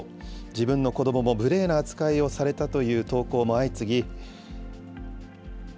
自分の子どもも無礼な扱いをされたという投稿も相次ぎ。